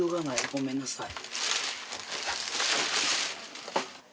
ごめんなさい。